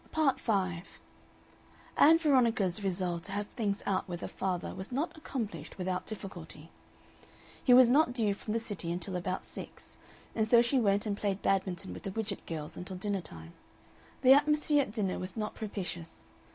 Part 5 Ann Veronica's resolve to have things out with her father was not accomplished without difficulty. He was not due from the City until about six, and so she went and played Badminton with the Widgett girls until dinner time. The atmosphere at dinner was not propitious.